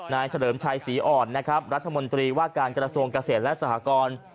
นายเฉลิมชัยศรีอ่อนรัฐมนตรีว่าการกรสวงเกษตรและสหกร